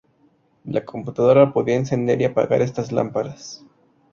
La computadora podía encender y apagar estas lámparas.